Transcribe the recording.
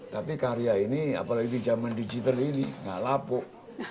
tapi karya ini apalagi di zaman digital ini gak lapuk